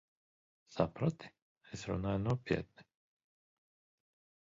Saprati? Es runāju nopietni.